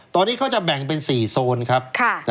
ตอนนี้เขาจะแบ่งเป็น๔โซนครับ